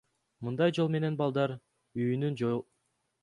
Мындай жол менен балдар үйүнүн жоюлушуна салымымды кошкум келет.